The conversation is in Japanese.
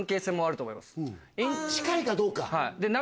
近いかどうか。